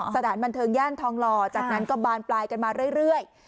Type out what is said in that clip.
สถานบันเทิงย่านทองหล่อจากนั้นก็บานปลายกันมาเรื่อย